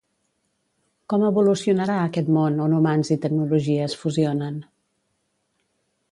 Com evolucionarà aquest món on humans i tecnologia es fusionen?